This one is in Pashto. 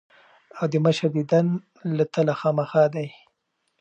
او د مشر ديدن له تلۀ خامخه دي ـ